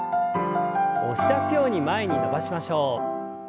押し出すように前に伸ばしましょう。